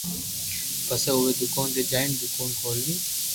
پسو اووي دوڪون تو جائين دوڪون کولوي